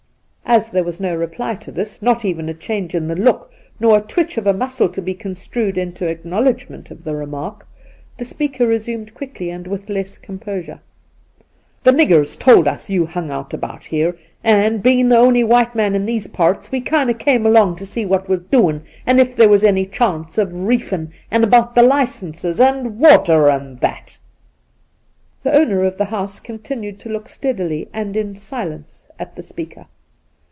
Induna Nairn 83 As there was no reply to this, not even a change in the look nor a twitch of a muscle to be construed into acknowledgment of the remark, the speaker resumed quickly and with less com posure :' The niggers told us you hung out about here, and, bein' the only white man in these parts, we kind 0' came along to see what was doin', and if there was any chance of reefin', and about the licenses and water and that.' The owner of the house continued to look steadily and in silence at the speaker.